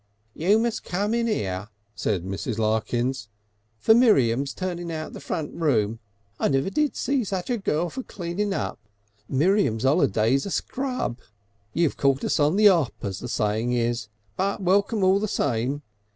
"You must come in 'ere," said Mrs. Larkins, "for Miriam's turning out the front room. I never did see such a girl for cleanin' up. Miriam's 'oliday's a scrub. You've caught us on the 'Op as the sayin' is, but Welcome all the same.